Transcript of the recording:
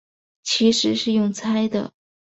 其实是用猜的